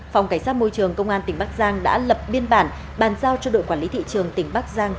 phòng cảnh sát môi trường công an tỉnh bắc giang đã lập biên bản bàn giao cho đội quản lý thị trường tỉnh bắc giang